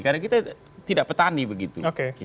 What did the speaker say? karena kita tidak petani begitu